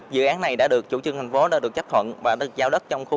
dự án này đã được chủ trương thành phố đã được chấp thuận và được giao đất trong khu